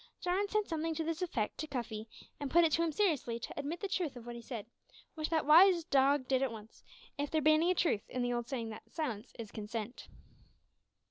Jarwin said something to this effect to Cuffy, and put it to him seriously to admit the truth of what he said, which that wise dog did at once if there be any truth in the old saying that "silence is consent."